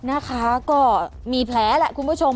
นะคะก็มีแผลแหละคุณผู้ชม